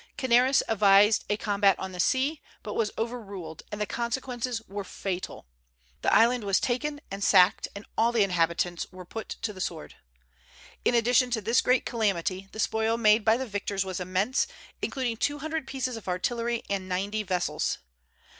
Canaris advised a combat on the sea, but was overruled; and the consequences were fatal. The island was taken and sacked, and all the inhabitants were put to the sword. In addition to this great calamity, the spoil made by the victors was immense, including two hundred pieces of artillery and ninety vessels.